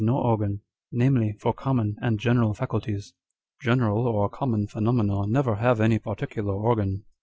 209 no organ, namely, for common and general faculties .... General or common phenomena never have any particular organ.